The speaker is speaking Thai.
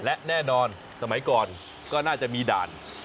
และแน่นอนสมัยก่อนก็น่าจะมีด่าน